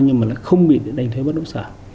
nhưng mà không bị đánh thuế bất động sản